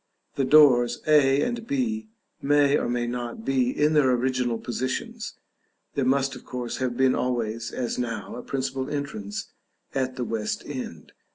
The doors A and B may or may not be in their original positions; there must of course have been always, as now, a principal entrance at the west end.